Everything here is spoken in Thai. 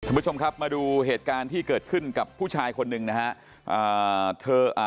คุณผู้ชมครับมาดูเหตุการณ์ที่เกิดขึ้นกับผู้ชายคนหนึ่งนะฮะอ่าเธออ่า